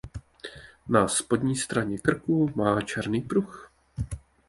Na spodní straně krku má černý pruh.